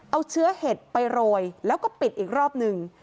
เอาเชื้อเห็ดไปโรยแล้วก็ปิดอีกรอบหนึ่ง